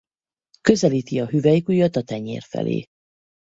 Közelíti a hüvelykujjat a tenyér felé.